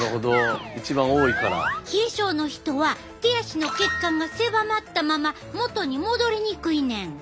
冷え症の人は手足の血管が狭まったまま元に戻りにくいねん。